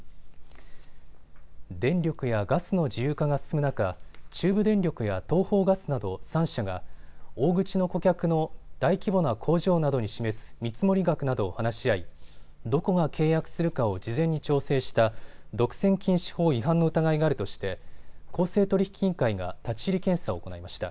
電力やガスの自由化が進む中、中部電力や東邦ガスなど３社が大口の顧客の大規模な工場などに示す見積もり額などを話し合いどこが契約するかを事前に調整した独占禁止法違反の疑いがあるとして公正取引委員会が立ち入り検査を行いました。